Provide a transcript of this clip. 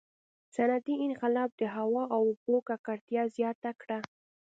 • صنعتي انقلاب د هوا او اوبو ککړتیا زیاته کړه.